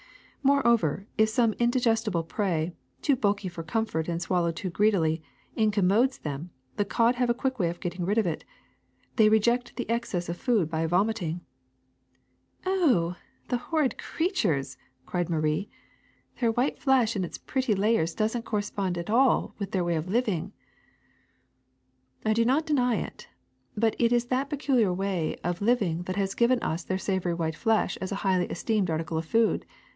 Moreover, if some indigestible prey, too bulky for comfort and swallowed too greedily, incommodes them, the cod have a quick way of getting rid of it: they reject the excess of food by vomiting. '''' Oh, the horrid creatures !'' cried Marie. '' Their ^90 THE SECRET OF EVERYDAY THINGS white flesh in its pretty layers does n't correspond at all with their way of living. '' *^I do not deny it, but it is that particular way of living that has given us their savory white flesh as a highly esteemed article of food.